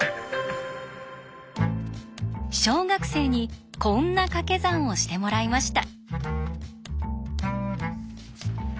小学生にこんなかけ算をしてもらいました。